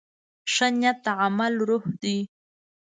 ښه نیت د عمل روح دی.